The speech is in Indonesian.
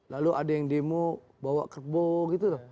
lalu ada yang demo bawa kebo gitu